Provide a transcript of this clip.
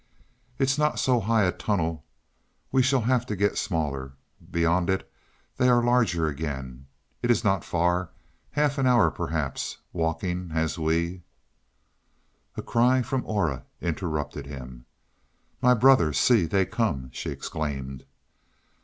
"It is not so high a tunnel; we shall have to get smaller. Beyond it they are larger again. It is not far half an hour, perhaps, walking as we " A cry from Aura interrupted him. "My brother, see, they come," she exclaimed.